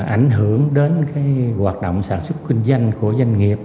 ảnh hưởng đến hoạt động sản xuất kinh doanh của doanh nghiệp